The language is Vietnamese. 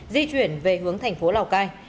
di chuyển về hướng thành phố lào cai